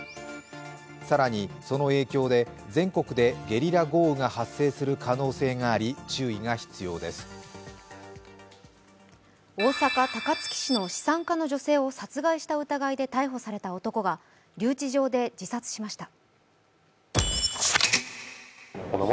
更にその影響で全国でゲリラ豪雨が発生する可能性があり大阪・高槻市の資産家の女性を殺害した疑いで逮捕された男が留置場で自殺しました。